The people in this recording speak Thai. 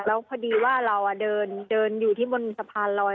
แล้วพอดีว่าเราเดินอยู่ที่บนสะพานลอย